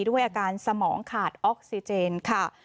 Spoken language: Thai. ด้วยอาการสมองขาดออกซิเจนค่ะ